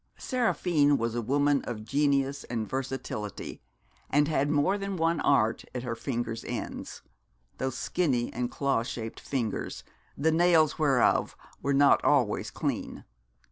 Seraphine was a woman of genius and versatility and had more than one art at her fingers' ends those skinny and claw shaped fingers, the nails whereof were not always clean.